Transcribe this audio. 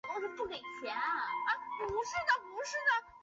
美军步兵此后不久就开始受到朝军迫炮和炮兵火力攻击。